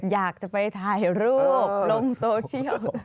อยากจะไปถ่ายรูปลงโซเชียล